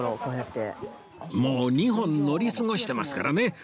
もう２本乗り過ごしてますからね